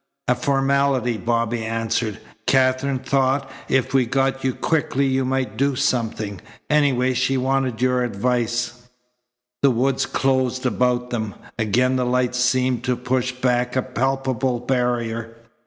"A formality," Bobby answered. "Katherine thought if we got you quickly you might do something. Anyway, she wanted your advice." The woods closed about them. Again the lights seemed to push back a palpable barrier.